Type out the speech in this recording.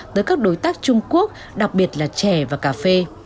tới các đối tác trung quốc đặc biệt là chè và cà phê